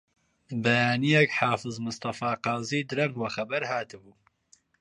بەیانییەک حافز مستەفا قازی درەنگ وە خەبەر هاتبوو